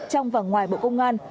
trong và ngoài bộ công an